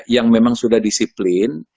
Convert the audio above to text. yang memang sudah disiplin